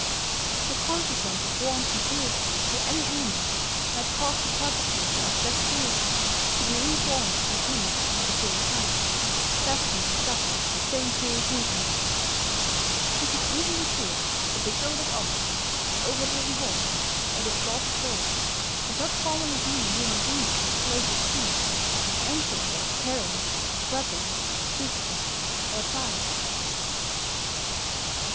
The consequence of wanton cruelty to any animal might cause the perpetrator of that cruelty to be reborn as an animal of the same kind, destined to suffer the same cruel treatment. Who could even be sure that the goaded ox, the over driven horse, or the slaughtered bird, had not formerly been a human being of closest kin, ancestor, parent, brother, sister, or child?